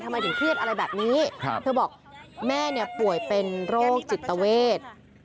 ทำไมถึงเครียดอะไรแบบนี้เธอบอกแม่เนี่ยป่วยเป็นโรคจิตเวท